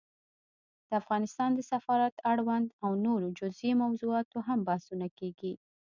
د افغانستان د سفارت اړوند او نورو جزيي موضوعاتو هم بحثونه کېږي